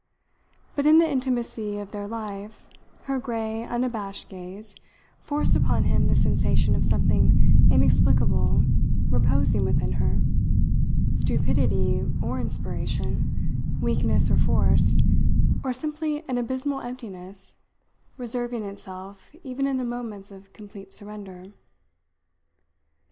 But in the intimacy of their life her grey, unabashed gaze forced upon him the sensation of something inexplicable reposing within her; stupidity or inspiration, weakness or force or simply an abysmal emptiness, reserving itself even in the moments of complete surrender.